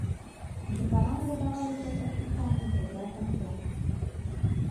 Жыхарам выдаваліся прадпісанні прыбраць антэны.